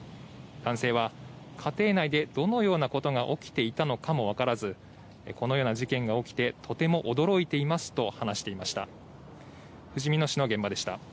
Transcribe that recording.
男性は、家庭内でどのようなことが起きていたのかも分からずこのような事件が起きてとても驚いていますと話していました。